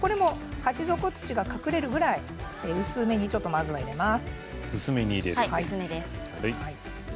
鉢底土が隠れるぐらい薄めにまず入れます。